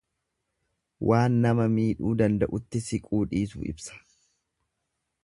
Waan nama miidhuu danda'utti siquu dhiisuu ibsa.